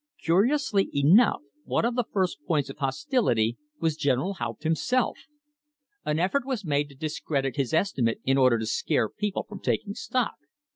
Curiously enough one of the first points of hostility was General Haupt himself. An effort was made to discredit his estimate in order to scare people from taking stock.